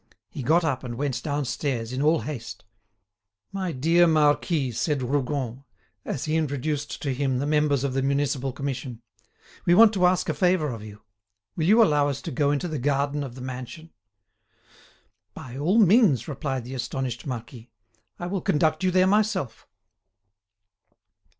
He got up and went downstairs in all haste. "My dear Marquis," said Rougon, as he introduced to him the members of the Municipal Commission, "we want to ask a favour of you. Will you allow us to go into the garden of the mansion?" "By all means," replied the astonished marquis, "I will conduct you there myself."